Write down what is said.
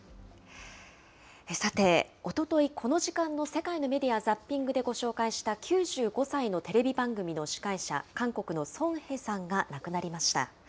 さて、おととい、この時間の世界のメディア・ザッピングでご紹介した９５歳のテレビ番組の司会者、韓国のソン・ヘさんが亡くなりました。